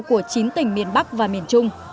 của chín tỉnh miền bắc và miền trung